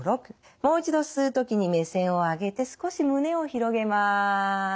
もう一度吸う時に目線を上げて少し胸を広げます。